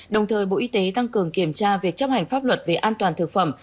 đồng thời bộ y tế tăng cường kiểm tra việc chấp hành pháp luật về an toàn thực phẩm